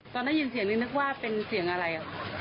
ตอนได้ยินเสียงนี่นึกว่าเป็นเสียงอะไร